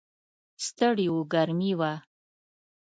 ستړي و، ګرمي وه.